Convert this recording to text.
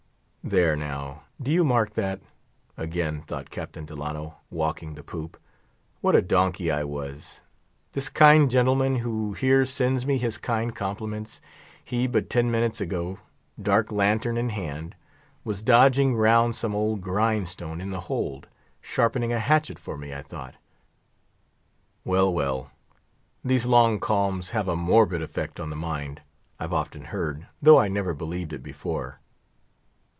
There now, do you mark that? again thought Captain Delano, walking the poop. What a donkey I was. This kind gentleman who here sends me his kind compliments, he, but ten minutes ago, dark lantern in had, was dodging round some old grind stone in the hold, sharpening a hatchet for me, I thought. Well, well; these long calms have a morbid effect on the mind, I've often heard, though I never believed it before.